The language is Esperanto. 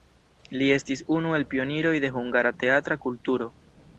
Li estis unu el pioniroj de hungara teatra kulturo.